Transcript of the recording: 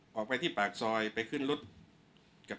ช่างแอร์เนี้ยคือล้างหกเดือนครั้งยังไม่แอร์